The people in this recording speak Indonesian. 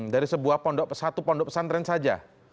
dari sebuah satu pondok pesantren saja